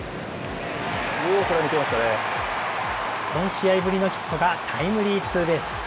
４試合ぶりのヒットがタイムリーツーベース。